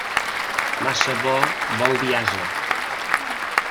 Massa bo vol dir ase.